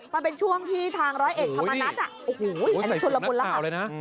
มันเป็นช่วงที่ทางร้อยเอกธรรมนัฐโอ้โหอันนี้ชุนละมุนแล้วค่ะ